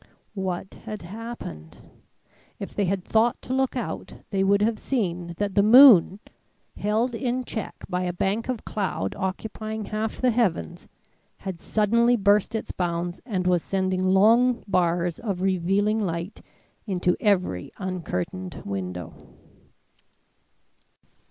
What had happened? If they had thought to look out, they would have seen that the moon held in check by a bank of cloud occupying half the heavens had suddenly burst its bounds and was sending long bars of revealing light into every uncurtained window.